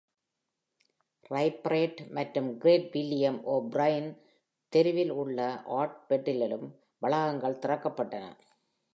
டைக் Parade மற்றும் Great William O'Brien தெருவில் உள்ள ஆர்ட்ஃபெர்ட்டிலும் வளாகங்கள் திறக்கப்பட்டன.